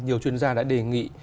nhiều chuyên gia đã đề nghị